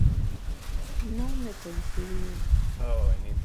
Non me coincidiu.